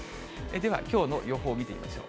ではきょうの予報見てみましょう。